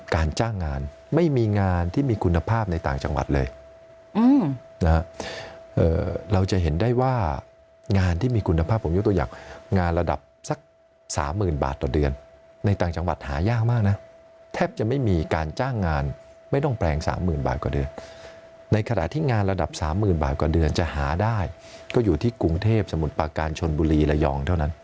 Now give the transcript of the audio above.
การจ้างงานไม่มีงานที่มีคุณภาพในต่างจังหวัดเลยนะฮะเราจะเห็นได้ว่างานที่มีคุณภาพผมยกตัวอย่างงานระดับสัก๓๐๐๐บาทต่อเดือนในต่างจังหวัดหายากมากนะแทบจะไม่มีการจ้างงานไม่ต้องแปลงสามหมื่นบาทกว่าเดือนในขณะที่งานระดับสามหมื่นบาทกว่าเดือนจะหาได้ก็อยู่ที่กรุงเทพสมุทรปาการชนบุรีระยองเท่านั้น